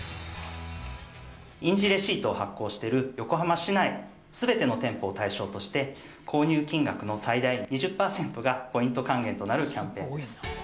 印字レシートを発行している横浜市内すべての店舗を対象として、購入金額の最大２０％がポイント還元となるキャンペーンです。